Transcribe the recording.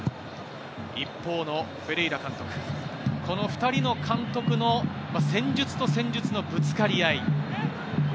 一方のフェレイラ監督、この２人の監督の戦術と戦術のぶつかり合い。